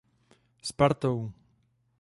Spartou.